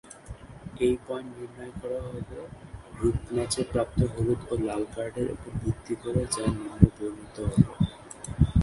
এই পয়েন্ট নির্ণয় করা হবে গ্রুপ ম্যাচে প্রাপ্ত হলুদ ও লাল কার্ডের উপর ভিত্তি করে যা নিম্নে বর্ণিত হল।